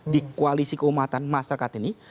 di koalisi keumatan masyarakat ini